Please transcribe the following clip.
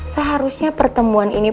seharusnya pertemuan ini